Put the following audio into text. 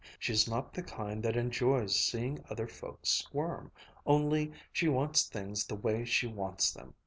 She's not the kind that enjoys seeing other folks squirm. Only she wants things the way she wants them.